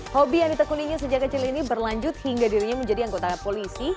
hobi yang ditekuninya sejak kecil ini berlanjut hingga dirinya menjadi anggota polisi